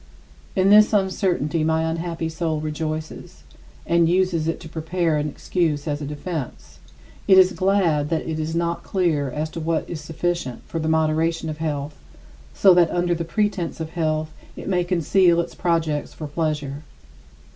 In this uncertainty my unhappy soul rejoices, and uses it to prepare an excuse as a defense. It is glad that it is not clear as to what is sufficient for the moderation of health, so that under the pretense of health it may conceal its projects for pleasure.